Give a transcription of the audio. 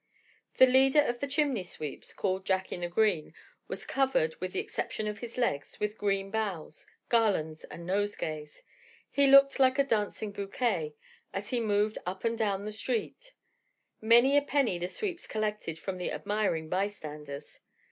The leader of the chimney sweeps, called "Jack in the Green," was covered, with the exception of his legs, with green boughs, garlands and nosegays. He looked like a dancing bouquet, as he moved up and down the street. Many a penny the sweeps collected from the admiring bystanders.